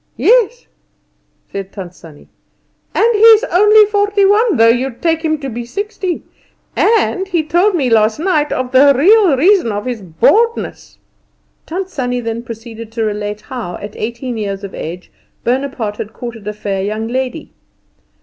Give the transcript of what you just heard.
"Yes," said Tant Sannie; "and he's only forty one, though you'd take him to be sixty. And he told me last night the real reason of his baldness." Tant Sannie then proceeded to relate how, at eighteen years of age, Bonaparte had courted a fair young lady.